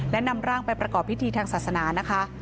และนำร่างไปประกอบพิธีทางศาสนานะคะ